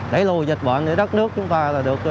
đẩy lùi dịch bệnh để đất nước chúng ta là được